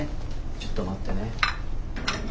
ちょっと待ってね。